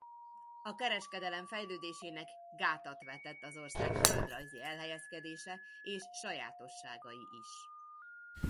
A kereskedelem fejlődésének gátat vetett az ország földrajzi elhelyezkedése és sajátosságai is.